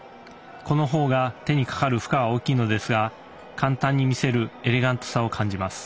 この方が手にかかる負荷は大きいのですが簡単に見せるエレガントさを感じます。